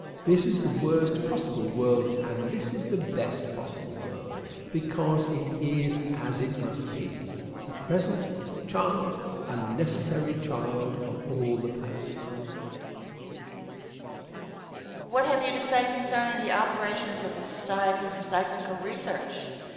This is the worst possible world, and this is the best possible world because it is as it must be. The present is the child, and the necessary child, of all the past. Question. What have you to say concerning the operations of the Society for Psychical Research?